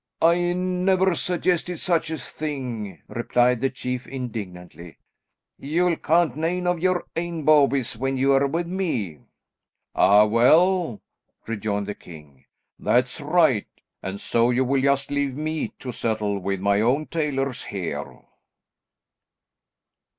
"I never suggested such a thing," replied the chief indignantly. "You'll count nane o' yer ain bawbees when you are with me." "Ah, well," rejoined the king, "that's right, and so you will just leave me to settle with my own tailors here."